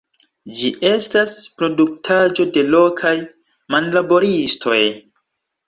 Ĝi estas produktaĵo de lokaj manlaboristoj.